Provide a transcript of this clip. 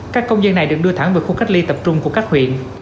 các công dân này được đưa thẳng về khu cách ly tập trung của các huyện